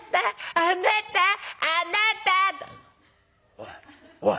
「おいおい。